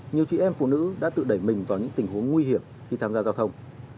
nhiều chị em phụ nữ đã tự đẩy mình vào những tình huống nguy hiểm khi tham gia giao thông